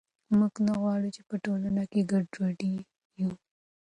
موږ نه غواړو چې په ټولنه کې ګډوډي وي.